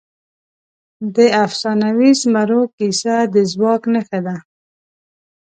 د افسانوي زمرو کیسه د ځواک نښه ده.